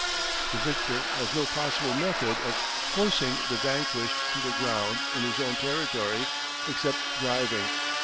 The victor has no possible method of forcing the vanquished to the ground in his own territory except driving.